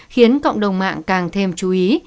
khiến cộng đồng mạng càng thêm chú ý